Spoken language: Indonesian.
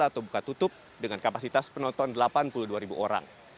atau buka tutup dengan kapasitas penonton delapan puluh dua orang